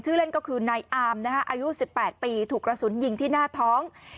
เล่นก็คือนายอามนะฮะอายุ๑๘ปีถูกกระสุนยิงที่หน้าท้อง